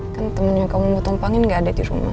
kan temen yang kamu butuh umpangin gak ada di rumah